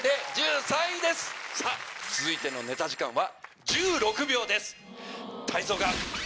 続いてのネタ時間は。